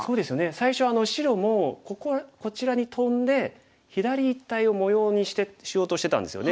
最初は白もこここちらにトンで左一帯を模様にしようとしてたんですよね。